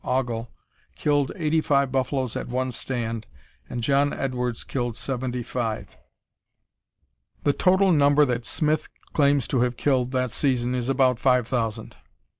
Aughl, killed eighty five buffaloes at one "stand," and John Edwards killed seventy five. The total number that Smith claims to have killed that season is "about five thousand."